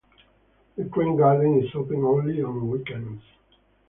The Train Garden is open only on weekends.